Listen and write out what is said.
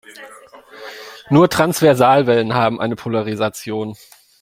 Nur Transversalwellen haben eine Polarisation.